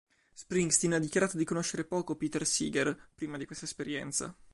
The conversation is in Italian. Springsteen ha dichiarato di conoscere poco Peter Seeger, prima di questa esperienza.